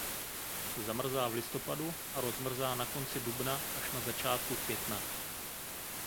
Zamrzá v listopadu a rozmrzá na konci dubna až na začátku května.